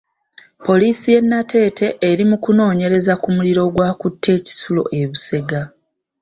Poliisi y'e Nateete eri mu kunoonyereza ku muliro ogwakutte e kisulo e Busega.